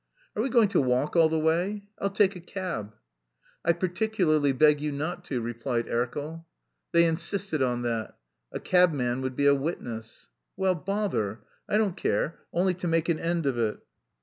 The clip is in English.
"Are we going to walk all the way? I'll take a cab." "I particularly beg you not to," replied Erkel. They insisted on that. A cabman would be a witness. "Well... bother! I don't care, only to make an end of it."